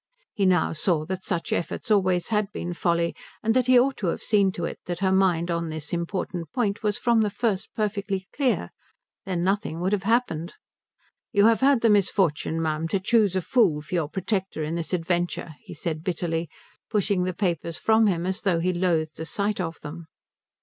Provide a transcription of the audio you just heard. He now saw that such efforts always had been folly, and that he ought to have seen to it that her mind on this important point was from the first perfectly clear; then nothing would have happened. "You have had the misfortune, ma'am, to choose a fool for your protector in this adventure," he said bitterly, pushing the papers from him as though he loathed the sight of them.